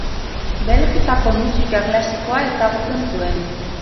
Belgikako musika klasikoa ezagutzen zuen.